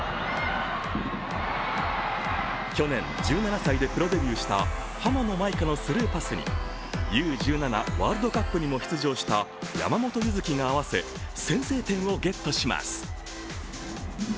去年１７歳でプロデビューした浜野まいかのスルーパスにＵ−１７ワールドカップにも出場した山本柚月が合わせ先制点をゲットします。